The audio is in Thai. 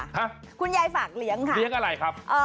ฮะคุณยายฝากเลี้ยงค่ะเลี้ยงอะไรครับเออ